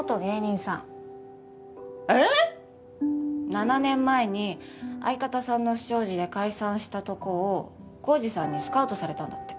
７年前に相方さんの不祥事で解散したとこを晃司さんにスカウトされたんだって。